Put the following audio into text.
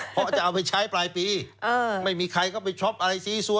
เพราะจะเอาไปใช้ปลายปีไม่มีใครเข้าไปช็อปอะไรซีซัว